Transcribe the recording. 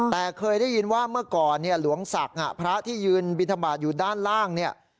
แต่เคยได้ยินว่าเมื่อก่อนหลวงศักดิ์พระที่ยืนบิณฑบาตอยู่ด้านล่าง